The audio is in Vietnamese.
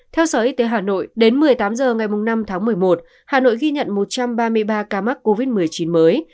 theo sở y tế hà nội đến một mươi tám h ngày năm tháng một mươi một hà nội ghi nhận một trăm ba mươi ba ca mắc covid một mươi chín mới